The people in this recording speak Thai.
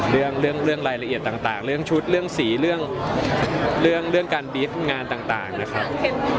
เรื่องรายละเอียดต่างเรื่องชุดเรื่องสีเรื่องการบีฟงานต่างนะครับ